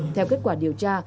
theo kết quả điều tra